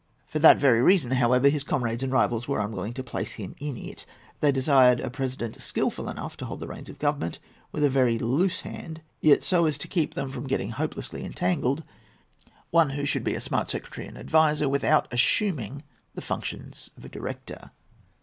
For that very reason, however, his comrades and rivals were unwilling to place him in it. They desired a president skilful enough to hold the reins of government with a very loose hand, yet so as to keep them from getting hopelessly entangled—one who should be a smart secretary and adviser, without assuming the functions of a director.